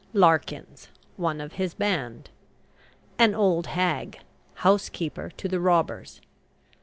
LARKINS, one of his band. AN OLD HAG, housekeeper to the robbers.